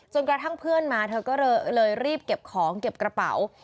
กระทั่งเพื่อนมาเธอก็เลยรีบเก็บของเก็บกระเป๋า